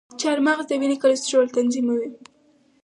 چارمغز د وینې کلسترول تنظیموي.